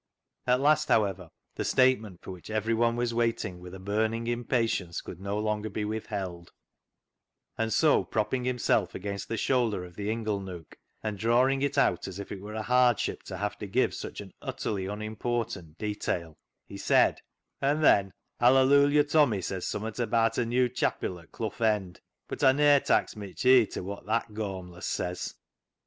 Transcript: At last, however, the statement for which every one was vvaiting with a burning impatience could no longer be withheld, and so propping himself against the shoulder of the ingle nook, and drawing it out as if it were a hardship to have to give such an utterly unimportant detail, he said —" An' then Hallelujah Tommy said summat abaat a new chapil at Clough End. But Aw "THE ZEAL OF THINE HOUSE" 301 ne'er tak's mitch heed ta wot that gaumless says."